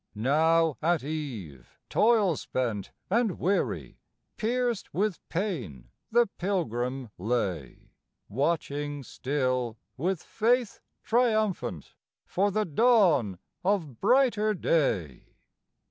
Now at eve, toil spent and weary, Pierced with pain the pilgrim lay; Watching still with faith triumphant For the dawn of brighter day.